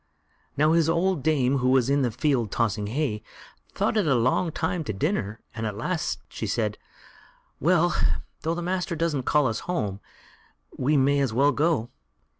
Now, his old dame, who was in the field tossing hay, thought it a long time to dinner, and at last she said: "Well! though the master doesn't call us home, we may as well go.